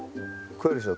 食えるでしょ？